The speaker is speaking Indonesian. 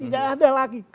tidak ada lagi